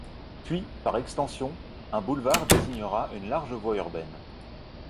Puis, par extension, un boulevard désignera une large voie urbaine.